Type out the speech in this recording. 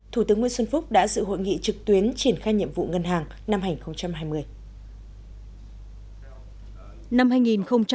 thủ tướng nguyễn xuân phúc đã dự hội nghị trực tuyến triển khai nhiệm vụ ngân hàng năm hai nghìn hai mươi